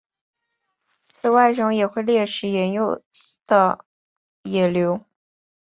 此外熊也会猎食年幼的野牛。